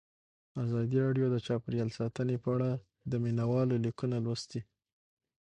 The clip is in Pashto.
ازادي راډیو د چاپیریال ساتنه په اړه د مینه والو لیکونه لوستي.